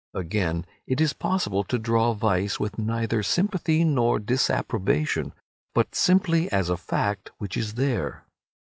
Again, it is possible to draw vice with neither sympathy nor disapprobation, but simply as a fact which is there.